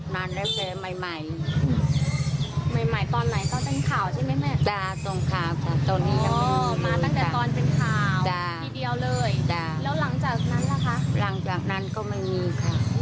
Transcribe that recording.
นั้นนะเจ๊ใหม่